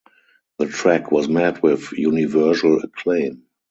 The track was met with universal acclaim.